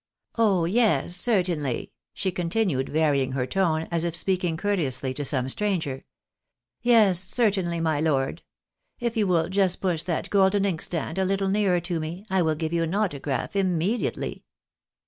Oh yes, certainly," she continued, varying her tone, as if speaking courteously to some stranger, " yes, certainly, my lord. If you will just push that golden inkstand a little nearer to me I will give you an autograph immediately."